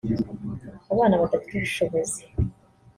abana badafite ubushobozi